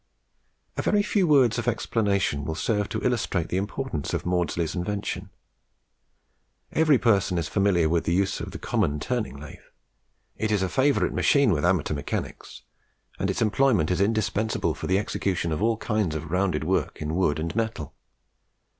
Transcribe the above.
A very few words of explanation will serve to illustrate the importance of Maudslay's invention. Every person is familiar with the uses of the common turning lathe. It is a favourite machine with amateur mechanics, and its employment is indispensable for the execution of all kinds of rounded work in wood and metal.